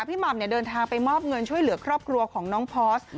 หม่ำเดินทางไปมอบเงินช่วยเหลือครอบครัวของน้องพอร์ส